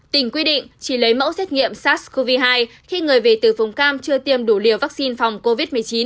tỉnh quy định chỉ lấy mẫu xét nghiệm sars cov hai khi người về từ vùng cam chưa tiêm đủ liều vaccine phòng covid một mươi chín